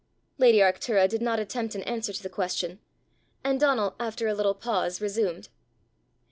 Lady Arctura did not attempt an answer to the question, and Donal, after a little pause, resumed.